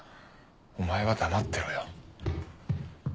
お前は黙ってろよ。